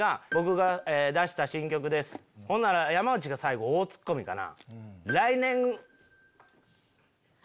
ほんなら山内が最後大ツッコミかな。